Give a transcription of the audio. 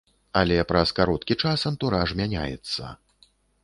Але праз кароткі час антураж мяняецца.